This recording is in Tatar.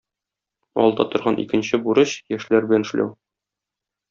Алда торган икенче бурыч - яшьләр белән эшләү.